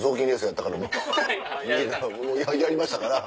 やりましたから。